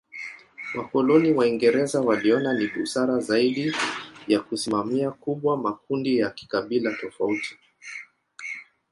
Wakoloni Waingereza waliona ni busara zaidi ya kusimamia kubwa makundi ya kikabila tofauti.